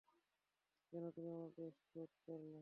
কেন তুমি আমাকে শ্যুট করলা?